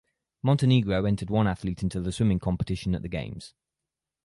Montenegro entered one athlete into the swimming competition at the games.